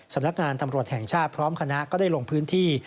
สำนักงานตำรวจแห่งชาติพร้อมคณะก็ได้ลงพื้นที่